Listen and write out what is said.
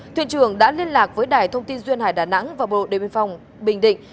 thuyền trưởng đã liên lạc với đài thông tin duyên hải đà nẵng và bộ đề biên phòng bình định